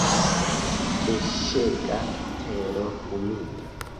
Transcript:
Freŝega tero humida.